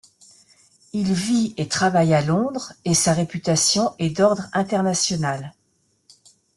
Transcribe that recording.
Il vit et travaille à Londres, et sa réputation est d'ordre international.